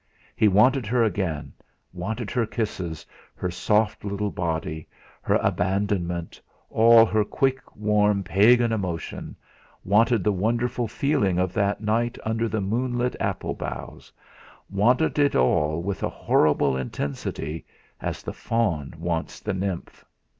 He wanted her again, wanted her kisses, her soft, little body, her abandonment, all her quick, warm, pagan emotion; wanted the wonderful feeling of that night under the moonlit apple boughs; wanted it all with a horrible intensity, as the faun wants the nymph.